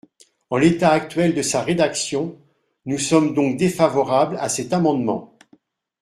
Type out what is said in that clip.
En l’état actuel de sa rédaction, nous sommes donc défavorables à cet amendement.